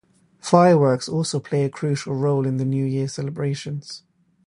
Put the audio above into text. Fireworks also play a crucial role in the New Year celebrations.